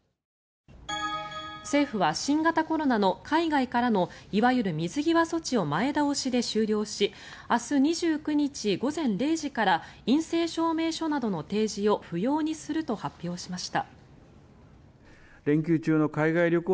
政府は新型コロナの海外からのいわゆる水際措置を前倒しで終了し明日２９日午前０時から陰性証明書などの提示を不要にすると発表しました。